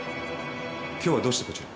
今日はどうしてこちらに？